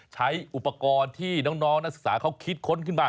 ใช้อุปกรณ์ที่น้องนักศึกษาเขาคิดค้นขึ้นมา